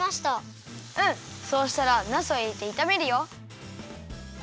うんそうしたらなすをいれていためるよ。